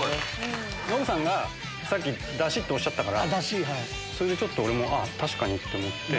ノブさんがさっき「だし」っておっしゃったからそれで俺も確かに！って思って。